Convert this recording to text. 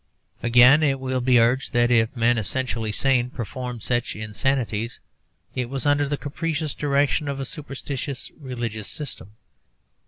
Again, it will be urged that if men essentially sane performed such insanities, it was under the capricious direction of a superstitious religious system.